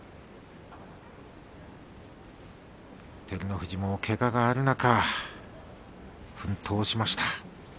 照ノ富士もけががある中奮闘しました。